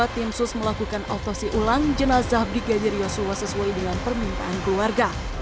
tim sus melakukan otosi ulang jenazah brigadir yoso hota sesuai dengan permintaan keluarga